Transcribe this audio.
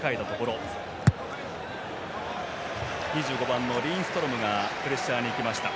２５番のリンストロムがプレッシャーに行きました。